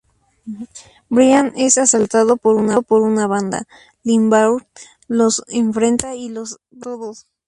Brian es asaltado por una banda; Limbaugh los enfrenta y los vence a todos.